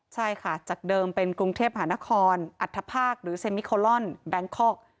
ใช่ค่ะจากเดิมเป็นกรุงเทพหานครอัธภาคหรือเซมิโคลอนแบงคอก